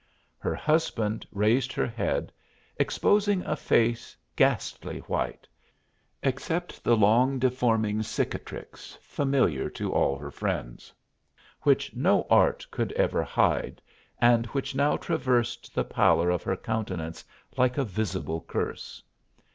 Her husband raised her head, exposing a face ghastly white, except the long, deforming cicatrice, familiar to all her friends, which no art could ever hide, and which now traversed the pallor of her countenance like a visible curse.